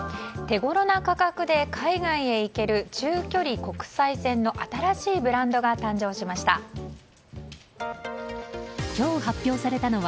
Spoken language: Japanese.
手ごろな価格で海外へ行ける中距離国際線の新しいブランドが誕生しました。